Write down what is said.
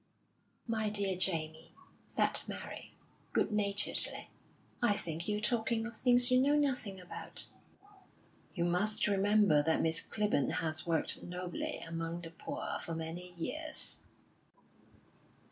"My dear Jamie," said Mary, good naturedly, "I think you're talking of things you know nothing about." "You must remember that Miss Clibborn has worked nobly among the poor for many years."